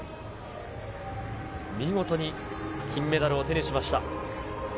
見事に金メダルを手にしました。